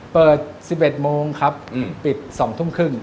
เปิด๑๑โมงครับปิด๒ทุ่มครึ่ง